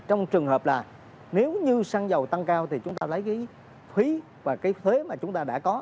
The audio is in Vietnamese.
trong trường hợp là nếu như xăng dầu tăng cao thì chúng ta lấy cái phí và cái thuế mà chúng ta đã có